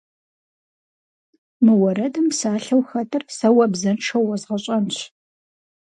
Мы уэрэдым псалъэу хэтыр сэ уэ бзэншэу уэзгъэщӏэнщ.